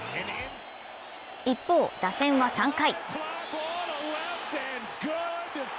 一方打線は３回。